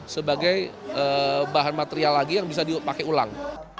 sebagai bahan material lagi yang bisa dipakai ulang